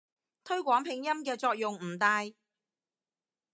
推廣拼音嘅作用唔大